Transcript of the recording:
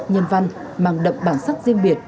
nhân văn mang đậm bản sắc riêng biệt